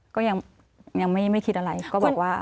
ก็ยังไม่คิดอะไรก็บอกว่า